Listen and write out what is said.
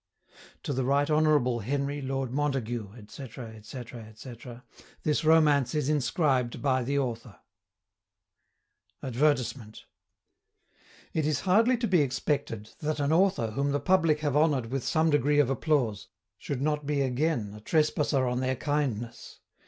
TO THE RIGHT HONOURABLE HENRY, LORD MONTAGUE &c. &c. &c. THIS ROMANCE IS INSCRIBED BY THE AUTHOR ADVERTISEMENT It is hardly to be expected, that an Author whom the Public have honoured with some degree of applause, should not be again a trespasser on their kindness.